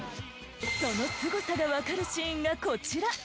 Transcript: そのスゴさがわかるシーンがこちら。